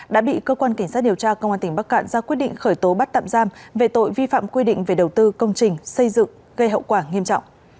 đã bị cơ quan cảnh sát điều tra công an tỉnh bắc cạn ra quyết định khởi tố bắt tạm giam về tội vi phạm quy định về đầu tư công trình xây dựng gây hậu quả nghiêm trọng